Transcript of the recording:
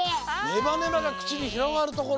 ネバネバがくちにひろがるところ！